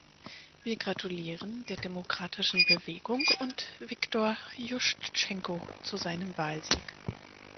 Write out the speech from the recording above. Wir gratulieren der demokratischen Bewegung und Viktor Juschtschenko zu seinem Wahlsieg.